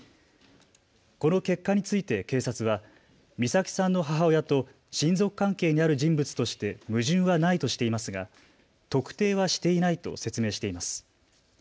この結果について警察は美咲さんの母親と親族関係にある人物として矛盾はないとしていますが特定はしていないと説明しています。